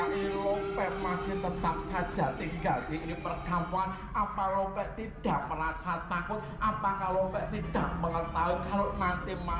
tinggal di pergabungan apa lo tidak merasa takut apakah tidak mengetahui kalau nanti